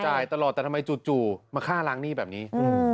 จ่ายตลอดแต่ทำไมจู่มาฆ่าล้างหนี้แบบนี้